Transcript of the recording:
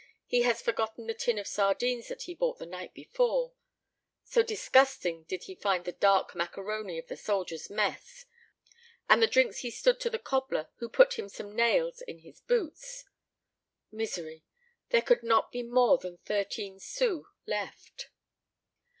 He has forgotten the tin of sardines that he bought the night before so disgusting did he find the dark macaroni of the soldiers' mess and the drinks he stood to the cobbler who put him some nails in his boots. Misery! There could not be more than thirteen sous left!